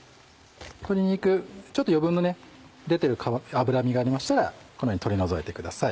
鶏肉ちょっと余分に出てる脂身がありましたらこのように取り除いてください。